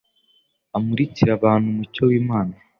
amurikire abantu umucyo w'Imana.